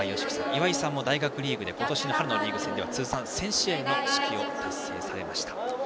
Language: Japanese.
岩井さんも大学リーグで今年の春のリーグでは通算１０００試合の指揮を達成されました。